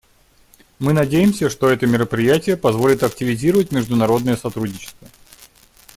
Мы надеемся, что это мероприятие позволит активизировать международное сотрудничество.